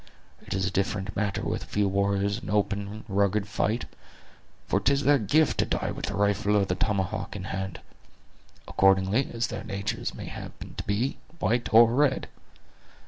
It is a different matter with a few warriors in open and rugged fight, for 'tis their gift to die with the rifle or the tomahawk in hand; according as their natures may happen to be, white or red.